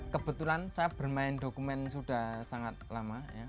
kebetulan saya bermain dokumen sudah sangat lama